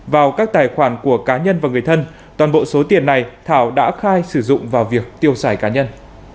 vào các tài khoản của cá nhân và người thân toàn bộ số tiền này thảo đã khai sử dụng vào việc tiêu xài cá nhân